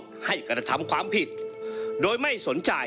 โดยไม่คำนึงถึงผลเสียหายที่เกิดกับประเทศชาติและประชาชน